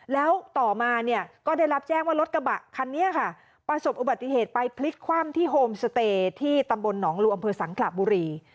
แล้วต่อมาเนี่ยก็ได้รับแจ้งว่ารถกระบะคันนี้ค่ะประสบอุบัติเหตุไปพลิกคว่ำที่โฮมสเตย์ที่ตำบลหนองลูอำเภอสังขระบุรี